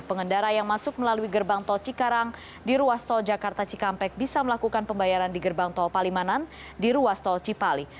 pengendara yang masuk melalui gerbang tol cikarang di ruas tol jakarta cikampek bisa melakukan pembayaran di gerbang tol palimanan di ruas tol cipali